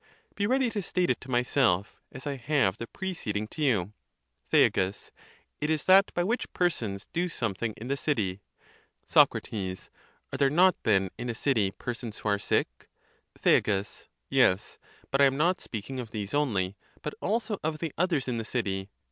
Be ready to state it to myself, as I have the preceding to you. Thea. It is that, by which persons (do something) in the city. Soc. Are there not then in a city persons who are sick ? Thea. Yes. But Iam not speaking of these only, but also of the others in the city.